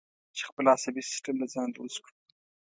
چې خپل عصبي سیستم د ځان دوست کړو.